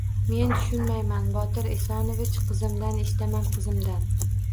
— Men tushunmayman, Botir Esonovich. Qizimdan eshitaman, qizimdan.